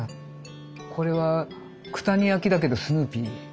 これは九谷焼だけどスヌーピー。